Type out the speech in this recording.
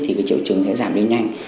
thì triệu chứng sẽ giảm đi nhanh